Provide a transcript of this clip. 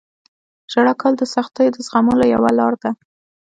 • ژړا کول د سختیو د زغملو یوه لاره ده.